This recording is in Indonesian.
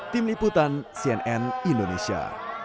tim liputan cnn indonesia